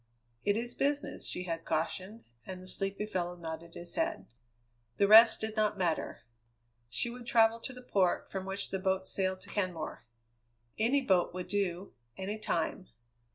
"It is business," she had cautioned, and the sleepy fellow nodded his head. The rest did not matter. She would travel to the port from which the boats sailed to Kenmore. Any boat would do; any time.